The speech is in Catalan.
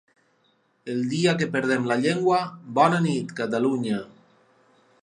El dia que perdem la llengua, bona nit Catalunya!